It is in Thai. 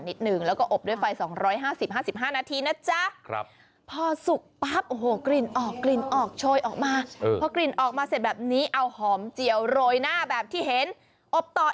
นิดนึงแล้วก็อบด้วยไฟ๒๕๐๕๕นาทีนะจ๊ะพอสุกปั๊บโอ้โหกลิ่นออกกลิ่นออกโชยออกมาพอกลิ่นออกมาเสร็จแบบนี้เอาหอมเจียวโรยหน้าแบบที่เห็นอบต